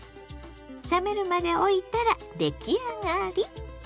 冷めるまでおいたら出来上がり。